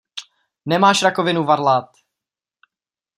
Nemáš rakovinu varlat!